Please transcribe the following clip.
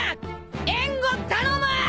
援護頼む！